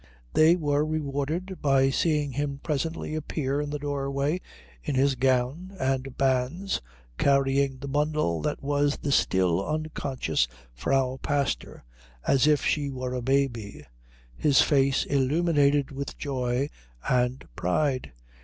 They were rewarded by seeing him presently appear in the doorway in his gown and bands carrying the bundle that was the still unconscious Frau Pastor as if she were a baby, his face illuminated with joy and pride.